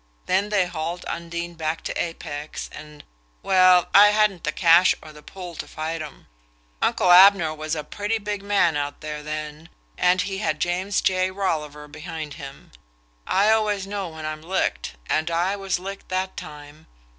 Then they hauled Undine back to Apex, and well, I hadn't the cash or the pull to fight 'em. Uncle Abner was a pretty big man out there then; and he had James J. Rolliver behind him. I always know when I'm licked; and I was licked that time.